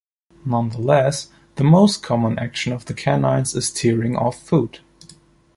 Nonetheless, the most common action of the canines is tearing of food.